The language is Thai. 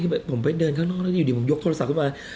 ผมไปเดินข้างนอกแล้วอยู่ดีผมยกโทรศัพท์ขึ้นมา